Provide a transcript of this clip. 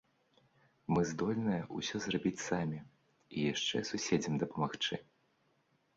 Мы здольныя ўсё зрабіць самі, і яшчэ суседзям дапамагчы.